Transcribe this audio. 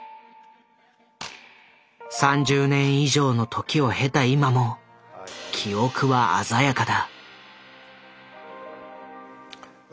３０年以上の時を経た今も記憶は鮮やかだ。